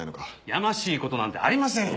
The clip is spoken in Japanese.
やましいことなんてありませんよ。